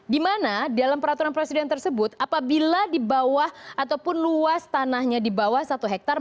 di mana dalam peraturan presiden tersebut apabila di bawah ataupun luas tanahnya di bawah satu hektare